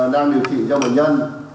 đang điều trị cho bệnh nhân